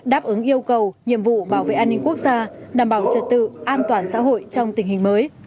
đáp ứng yêu cầu nhiệm vụ bảo vệ an ninh quốc gia đảm bảo trật tự an toàn xã hội trong tình hình mới